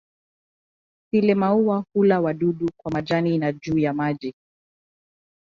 Sile-maua hula wadudu kwa majani na juu ya maji.